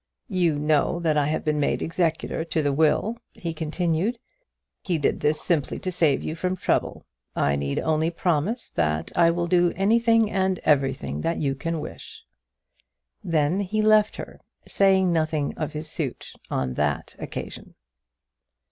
"You know that I have been made executor to the will," he continued. "He did this simply to save you from trouble. I need only promise that I will do anything and everything that you can wish." Then he left her, saying nothing of his suit on that occasion.